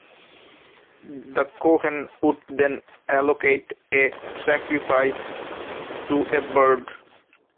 The Kohen would then allocate a sacrifice to a bird.